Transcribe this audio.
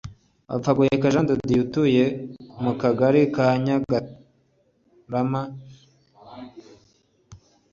Bapfaguheka Jean de Dieu utuye mu Kagari ka Nyakagarama mu Murenge wa Rukomo ufite ihene eshanu